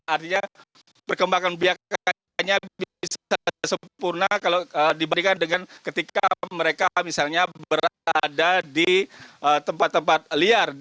artinya perkembangan biakanya bisa sempurna kalau dibandingkan dengan ketika mereka misalnya berada di tempat tempat liar